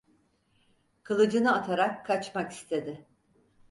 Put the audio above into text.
Kılıcını atarak kaçmak istedi.